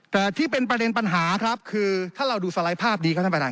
แต่ที่เป็นประเด็นปัญหาครับคือถ้าเราดูสไลด์ภาพดีครับท่านประธาน